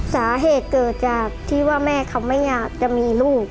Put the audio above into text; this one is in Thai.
สาเหตุเกิดจากที่ว่าแม่เขาไม่อยากจะมีลูก